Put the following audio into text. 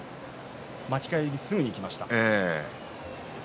巻き替え、すぐにいきました。